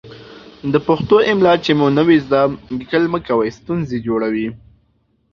د پښتو املا چې مو نه وي ذده، ليکل مه کوئ ستونزې جوړوي.